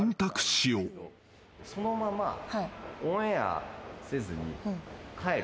そのままオンエアせずに帰る。